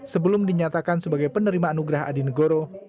sebelum dinyatakan sebagai penerima anugerah adi negoro